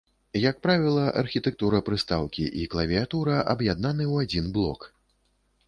Як правіла, архітэктура прыстаўкі і клавіятура аб'яднаны ў адзін блок.